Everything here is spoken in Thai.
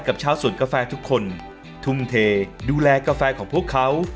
ชาวสวนกาแฟทุกคนทุ่มเทดูแลกาแฟของพวกเขา